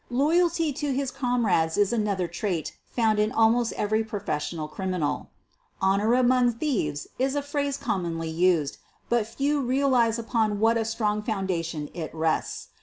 Loyalty to his comrades is another trait found in almost every professional criminal. "Honor amon£ thieves '' is a phrase commonly used, but few realize upon what a strong foundation it rests.